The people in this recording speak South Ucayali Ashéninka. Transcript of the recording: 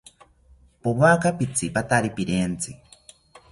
Powaka pitzipatari pirentzi